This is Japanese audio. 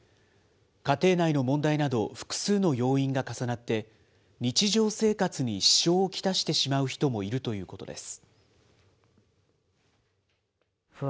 家庭内の問題など、複数の要因が重なって、日常生活に支障を来してしまう人もいるということです。